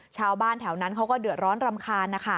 ชาวบ้านแถวนั้นเขาก็เดือดร้อนรำคาญนะคะ